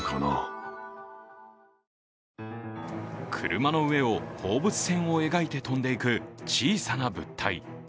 車の上を放物線を描いて飛んでいく小さな物体。